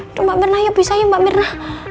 aduh mbak mirna ya bisa ya mbak mirna